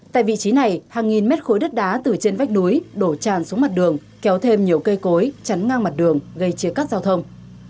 tại vị trí này hàng nghìn mét khối đất đá từ trên vách núi đổ tràn xuống mặt đường kéo thêm nhiều cây cối chắn ngang mặt đường gây chia cắt giao thông